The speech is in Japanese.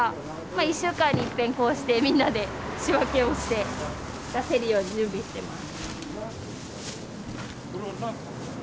１週間にいっぺんこうしてみんなで仕分けをして出せるように準備してます。